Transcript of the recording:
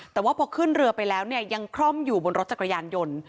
แต่ว่าพอขึ้นเรือไปแล้วเนี่ยยังคล่อมอยู่บนรถจักรยานยนต์